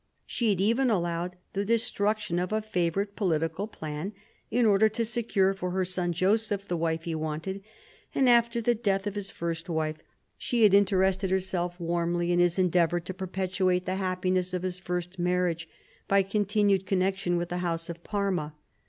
She had even allowed the de struction of a favourite political plan in order to secure for her son Joseph the wife he wanted ; and after the death of his first wife she had interested herself warmly 214 THE CO REGENTS ohap. x in his endeavour to perpetuate the happiness of his first marriage by continued connection with the House of Parma.